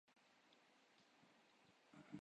کچے دودھ سے خطرن